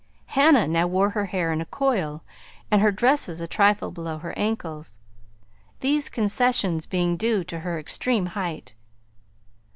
Hannah now wore her hair in a coil and her dresses a trifle below her ankles, these concessions being due to her extreme height.